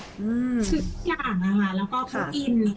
ทุกอย่างนะคะแล้วก็เขากิน